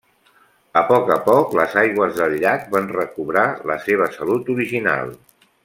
A poc a poc, les aigües del llac van recobrar la seva salut original.